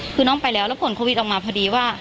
คือน้องไปแล้วแล้วผลโควิดออกมาพอดีว่า